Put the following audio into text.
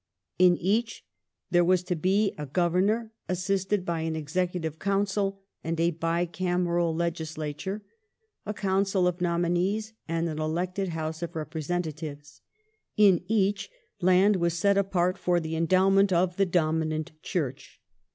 In each there was to be a Governor, assisted by an Executive Council and a bi cameral Legislature : a Council of nominees and an elected House of Representatives. In each land was set apart for the endowment of the dominant Church.